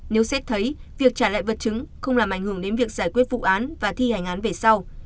nếu xét thấy việc trả lại vật chứng không làm ảnh hưởng đến việc giải quyết vụ án và thi hành án về sau